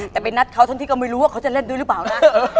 แต่ไปนัดเขาทั้งที่ก็ไม่รู้ว่าเขาจะเล่นด้วยหรือเปล่านะ